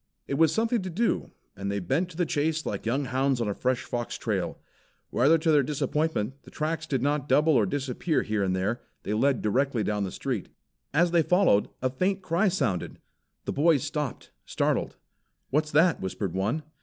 It was something to do and they bent to the chase like young hounds on a fresh fox trail. Rather to their disappointment, the tracks did not double or disappear here and there. They led directly down the street. As they followed, a faint cry sounded. The boys stopped, startled. "What's that?" whispered one.